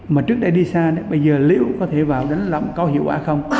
mà trước đây đi xa bây giờ liệu có thể vào đánh lấm có hiệu quả không